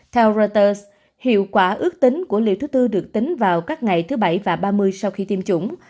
theo reuters hiệu quả ước tính của liều thứ tư được tính vào các ngày thứ bảy và ba mươi sau khi tiêm chủng